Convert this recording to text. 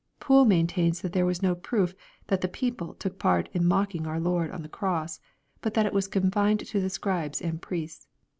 Poole maintains that there is no proof that " the people" took part in mocking our Lord on the cross, but that it was confined to the Scribes and priests.